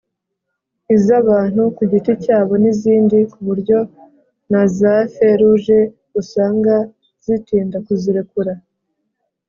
iz’abantu ku giti cyabo n’izindi ku buryo na za “Feu rouge” usanga zitinda kuzirekura